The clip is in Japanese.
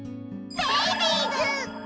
ベイビーズ！